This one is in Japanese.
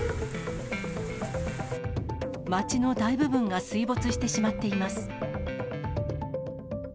町の大部分が水没してしまっています。